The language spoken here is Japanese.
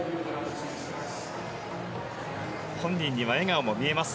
本人には笑顔も見えます。